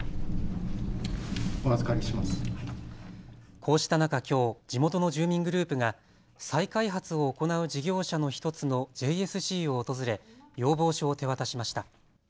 こうした中きょう地元の住民グループが再開発を行う事業者の１つのＪＳＣを訪れ要望書を手渡しました。